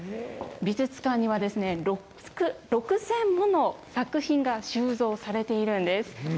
美術館には６０００もの作品が収蔵されているんです。